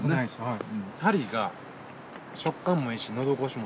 はい。